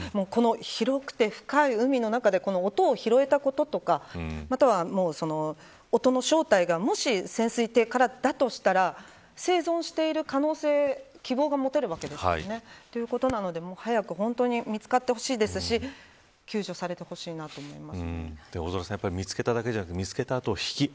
広くて深い海の中で音を拾えたこととか音の正体がもし、潜水艇からだとしたら生存している可能性希望が持てるわけですもんね。ということなので、早く本当に見つかってほしいですし救助されてほしいと思います。